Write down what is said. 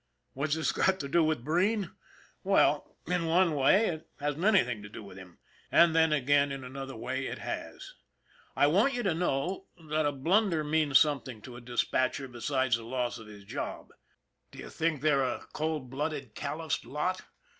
What's this got to do with Breen? Well, in one way, it hasn't anything to do with him; and, then again, in another way, it has. I want you to know that a blunder means something to a dispatcher be sides the loss of his job. Do you think they're a cold blooded, calloused lot?